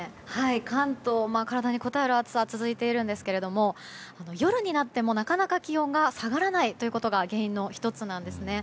関東は体にこたえる暑さ続いているんですが夜になってもなかなか気温が下がらないことが原因の１つなんですね。